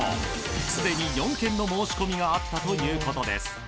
すでに４件の申し込みがあったということです。